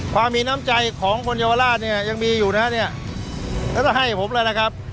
ความมีน้ำใจของคนเยาวราชเนี่ยยังมีอยู่นะเนี่ยก็ต้องให้ผมแล้วนะครับ